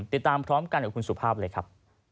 ติดตามพร้อมกันกับคุณสุภาพเลยครับ